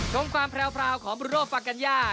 ชมความแพรวของบุโรฟากัญญา